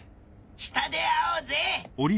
下で会おうぜ。